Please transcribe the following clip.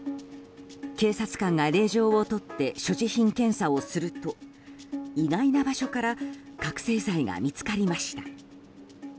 警察官が令状を取って所持品検査をすると意外な場所から覚醒剤が見つかりました。